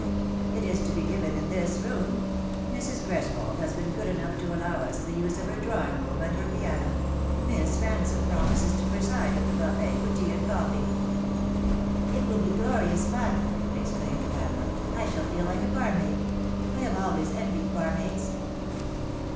"It is to be given in this room. Mrs. Greswold has been good enough to allow us the use of her drawing room and her piano. Miss Eansome promises to preside at the buffet for tea and coffee." 118 The Fatal Three. " It will be glorious fun,' exclaimed Pamela ;" I shall fee/ like a barmaid. I have always envied barmaids."